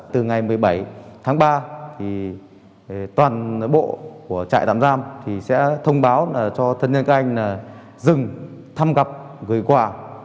từ ngày một mươi bảy tháng ba toàn bộ của trại tạm giam sẽ thông báo cho thân nhân các anh là dừng thăm gặp gửi quà